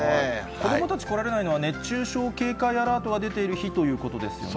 子どもたち来られないのは、熱中症警戒アラートが出ている日ということですよね。